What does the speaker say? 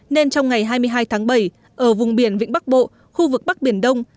nên trong ngày hai mươi hai tháng bảy ở vùng biển vĩnh bắc bộ khu vực bắc biển đông